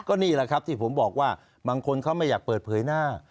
ก็นี่แหละครับที่ผมบอกว่าบางคนเขาไม่อยากเปิดเผยหน้า